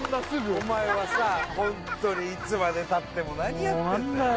お前はさホントにいつまでたっても何やってんだよ